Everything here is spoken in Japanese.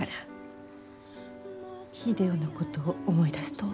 秀夫のことを思い出すと。